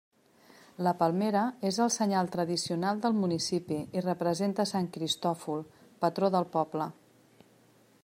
La palmera és el senyal tradicional del municipi, i representa sant Cristòfol, patró del poble.